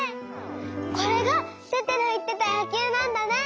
これがテテのいってた「やきゅう」なんだね！